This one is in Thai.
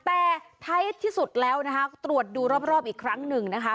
แต่ท้ายที่สุดแล้วนะคะตรวจดูรอบอีกครั้งหนึ่งนะคะ